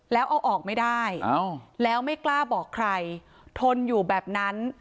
แล้วเอาออกไม่ได้แล้วไม่กล้าบอกใครทนอยู่แบบนั้น